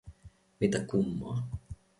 Mitä kummaa?